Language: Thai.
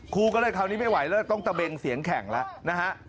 ครูก็เลยคราวนี้ไม่ไหวแล้วต้องตะเบงเสียงแข่งแล้วนะฮะ